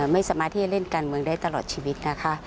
ไม่สมาธิเล่นการเมืองได้ตลอดชีวิต